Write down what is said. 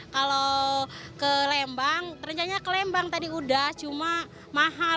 kalau ke lembang rencananya ke lembang tadi udah cuma mahal